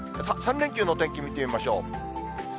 ３連休のお天気、見てみましょう。